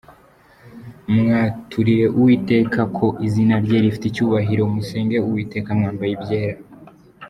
Mwāturire Uwiteka ko izina rye rifite icyubahiro, Musenge Uwiteka mwambaye ibyera.